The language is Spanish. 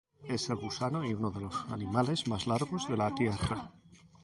Es el gusano y uno de los animales más largos de la Tierra.